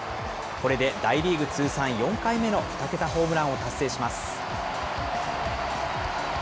これで大リーグ通算４回目の２桁ホームランを達成します。